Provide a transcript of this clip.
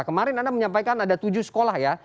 kemarin anda menyampaikan ada tujuh sekolah ya